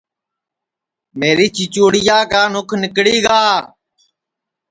میری چیچُوڑیا کا نُکھ نیکݪی گا